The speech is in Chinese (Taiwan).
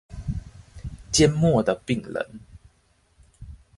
緘默的病人